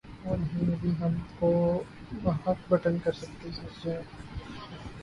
وہ نہیں ملی ہم کو ہک بٹن سرکتی جین